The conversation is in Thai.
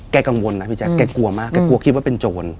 กังวลนะพี่แจ๊คแกกลัวมากแกกลัวคิดว่าเป็นโจร